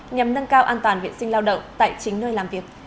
nhằm nâng cao an toàn vệ sinh lao động tại chính nơi làm việc